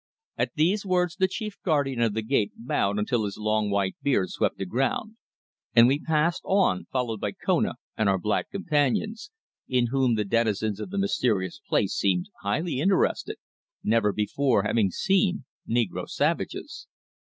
At these words the chief guardian of the gate bowed until his long white beard swept the ground, and we passed on, followed by Kona and our black companions, in whom the denizens of the mysterious place seemed highly interested, never before having seen negro savages.